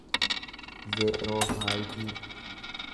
zeeroofaayitii